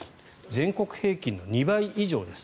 全国平均の２倍以上です。